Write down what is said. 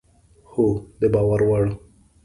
هو، د باور وړ